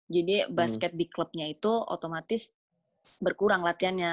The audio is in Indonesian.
jadi basket di klubnya itu otomatis berkurang latihannya